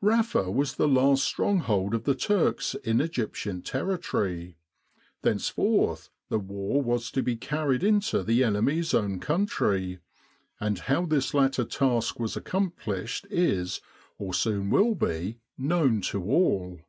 Rafa was the last stronghold of the Turks in Egyptian territory. Thenceforth the war was to be carried into the enemy's own country, and how this latter task was accomplished is, or soon will be, known to all.